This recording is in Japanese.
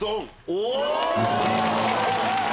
お！